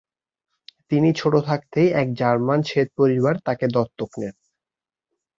তিনি ছোট থাকতেই এক জার্মান শ্বেত পরিবার তাকে দত্তক নেন।